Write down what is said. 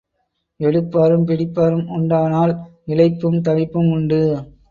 எடுப்பாரும் பிடிப்பாரும் உண்டானால் இளைப்பும் தவிப்பும் உண்டு.